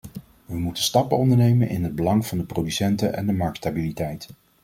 We moeten stappen ondernemen in het belang van de producenten en de marktstabiliteit.